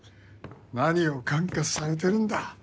何を感化されてるんだ。